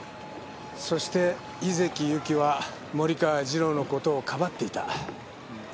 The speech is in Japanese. そして井関ゆきは森川次郎の事をかばっていた。